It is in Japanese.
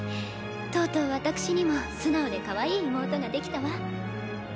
とうとう私にも素直でかわいい妹ができたわ。